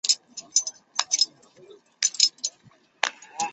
红点平盲蝽为盲蝽科平盲蝽属下的一个种。